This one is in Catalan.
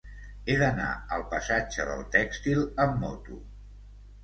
He d'anar al passatge del Tèxtil amb moto.